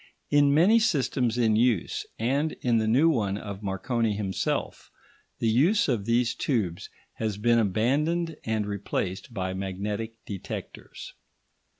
In many systems in use, and in the new one of Marconi himself, the use of these tubes has been abandoned and replaced by magnetic detectors.